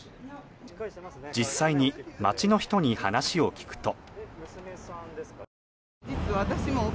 実際に街の人に話を聞くと。